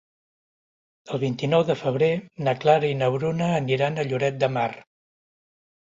El vint-i-nou de febrer na Clara i na Bruna aniran a Lloret de Mar.